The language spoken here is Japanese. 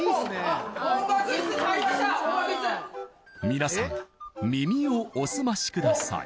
みなさん耳をお澄ましください